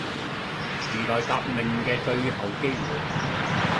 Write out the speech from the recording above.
時代革命嘅最後機會